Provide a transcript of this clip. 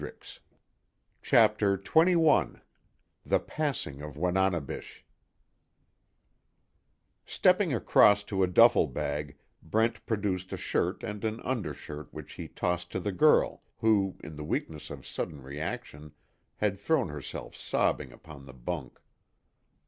_" CHAPTER XXI THE PASSING OF WANANEBISH Stepping across to a duffle bag, Brent produced a shirt and an undershirt which he tossed to the girl who, in the weakness of sudden reaction had thrown herself sobbing upon the bunk.